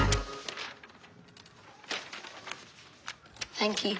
サンキュー。